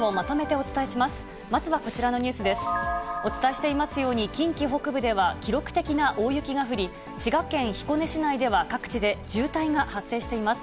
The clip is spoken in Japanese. お伝えしていますように、近畿北部では記録的な大雪が降り、滋賀県彦根市内では、各地で渋滞が発生しています。